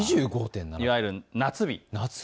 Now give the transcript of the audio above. いわゆる夏日。